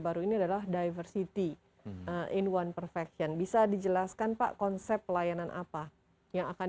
baru ini adalah diversity in one perfection bisa dijelaskan pak konsep pelayanan apa yang akan